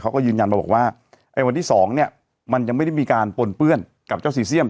เขาก็ยืนยันมาบอกว่าไอ้วันที่๒เนี่ยมันยังไม่ได้มีการปนเปื้อนกับเจ้าซีเซียม